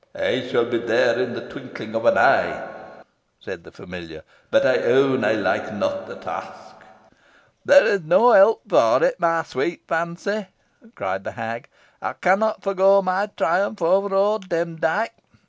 "I shall be there in the twinkling of an eye," said the familiar; "but I own I like not the task." "There is no help for it, my sweet Fancy," cried the hag. "I cannot forego my triumph over old Demdike.